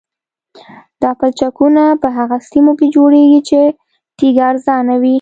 دا پلچکونه په هغه سیمو کې جوړیږي چې تیږه ارزانه وي